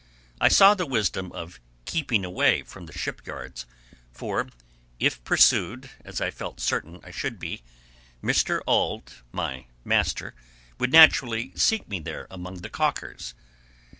I saw the wisdom of keeping away from the ship yards, for, if pursued, as I felt certain I should be, Mr. Auld, my "master," would naturally seek me there among the calkers.